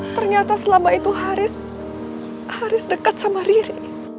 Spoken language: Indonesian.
ternyata selama itu haris haris dekat sama riri